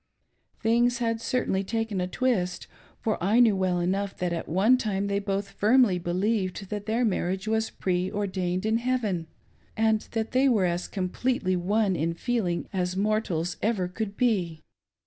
Things had certainly taken a twist, for I know well enough that at one time they both firmly believed that their marriage w^s preordained in heaven, and that they were as completely one in feeling as rtiortals ever could be.